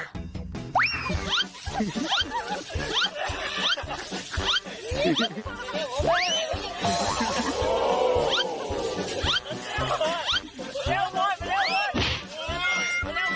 เร็วเร็วเร็ว